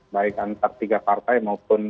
baik antar tiga partai maupun